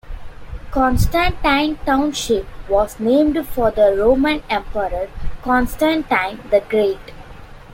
Constantine Township was named for the Roman emperor Constantine the Great.